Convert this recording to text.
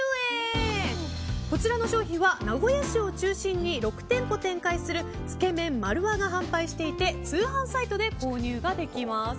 こちらの商品は名古屋市を中心に６店舗展開するつけ麺丸和が販売していて通販サイトで購入ができます。